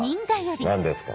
何ですか？